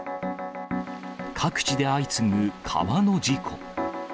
各地で相次ぐ川の事故。